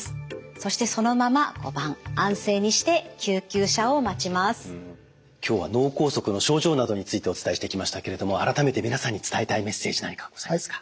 そしてそのまま今日は脳梗塞の症状などについてお伝えしてきましたけれども改めて皆さんに伝えたいメッセージ何かございますか？